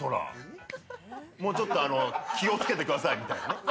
もうちょっと気を付けてくださいみたいな。